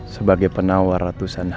sebagai penawar ratusan